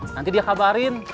nanti dia kabarin